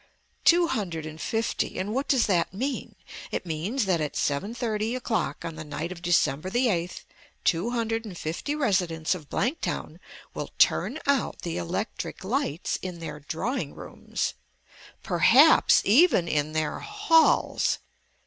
"Two hundred and fifty. And what does that mean? It means that at seven thirty o'clock on the night of December the 8th two hundred and fifty residents of Blanktown will turn out the electric lights in their drawing rooms ... PERHAPS EVEN IN THEIR HALLS